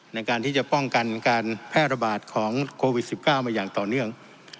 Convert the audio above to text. ในการที่จะป้องกันการแพร่ระบาดของโควิด๑๙มาอย่างต่อเนื่อง